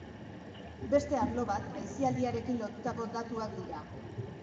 Beste arlo bat aisialdiarekin lotutako datuak dira.